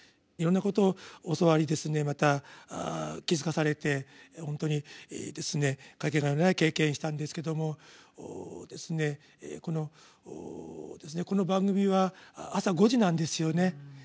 いろんなことを教わりですねまた気付かされて本当にですね掛けがえのない経験したんですけどもこの番組は朝５時なんですよね。